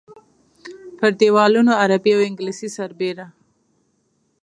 پر دیوالونو عربي او انګلیسي سربېره.